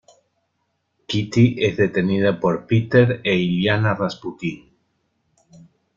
Kitty es detenida por Peter y Illyana Rasputín.